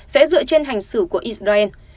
sẽ dựa trên hành xử của israel